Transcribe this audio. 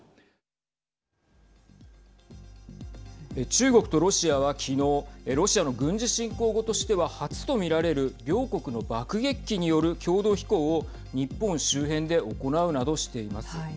中国とロシアは、きのうロシアの軍事侵攻後としては初とみられる両国の爆撃機による共同飛行を日本周辺で行うなどしています。